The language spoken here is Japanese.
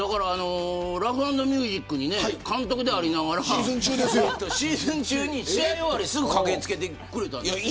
ラフ＆ミュージックに監督でありながらシーズン中に試合終わりにすぐ駆け付けてくれた。